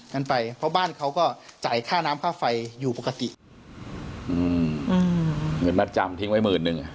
กันไปเพราะบ้านเขาก็จ่ายค่าน้ำค่าไฟอยู่ปกติอืมอืมเงินมัดจำทิ้งไว้หมื่นนึงอ่ะ